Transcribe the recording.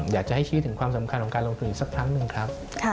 อยากจะให้ชี้ถึงความสำคัญของการลงทุนอีกสักครั้งหนึ่งครับ